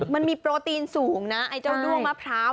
มันมีโปรตีนสูงนะไอ้เจ้าด้วงมะพร้าว